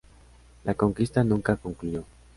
La conquista nunca concluyó.